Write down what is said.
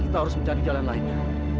harus menjadi jalan lainnya